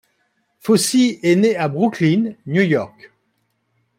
Fauci est née à Brooklyn, New York.